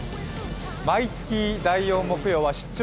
毎月第４木曜は「出張！